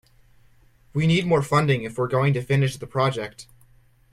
We need more funding if we're going to finish the project.